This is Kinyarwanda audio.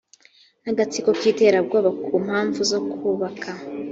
n agatsiko k iterabwoba ku mpamvu zo kubaka